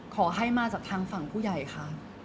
ขอให้มาจากทางฝั่งผู้ใหญ่ค่ะ